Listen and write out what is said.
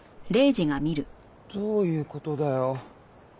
どういう事だよ？